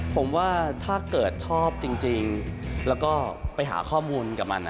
ผมว่าถ้าเกิดชอบจริงแล้วก็ไปหาข้อมูลกับมัน